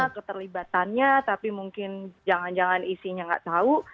keterlibatannya tapi mungkin jangan jangan isinya nggak tahu